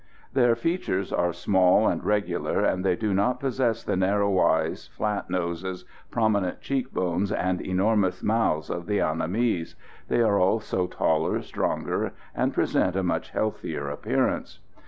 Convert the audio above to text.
Their features are small and regular, and they do not possess the narrow eyes, flat noses, prominent cheek bones and enormous mouths of the Annamese. They are also taller, stronger, and present a much healthier appearance.